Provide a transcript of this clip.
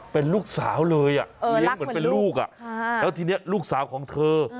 เป็นลูกสาวเลยอ่ะเออลักเหมือนลูกอ่ะค่ะแล้วทีเนี้ยลูกสาวของเธอ